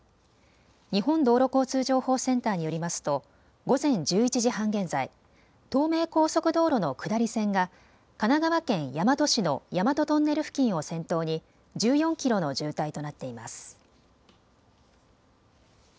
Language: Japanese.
日本道路交通情報センターによりますと午前１１時半現在、東名高速道路の下り線が神奈川県大和市の大和トンネル付近を先頭に１４キロの渋滞となっています。